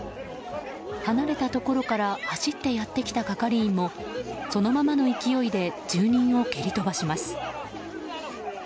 離れたところから走ってやってきた係員もそのままの勢いで住人を蹴り飛ばします。